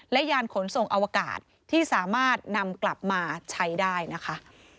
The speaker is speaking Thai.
และยานขนส่งอวกาศที่สามารถนำกลับมาใช้ได้นะคะ